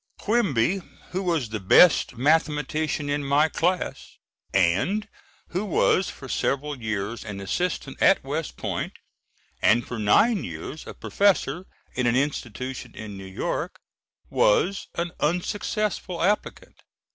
Quimby, who was the best mathematician in my class, and who was for several years an assistant at West Point, and for nine years a professor in an institution in New York, was an unsuccessful applicant.